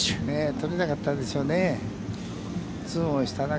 取りたかったでしょうね。